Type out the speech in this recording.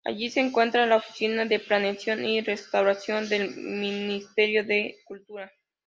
Allí se encuentra la oficina de Planeación y Restauración del ministerio de cultura.